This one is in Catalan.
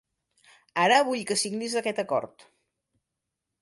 Ara vull que signis aquest acord.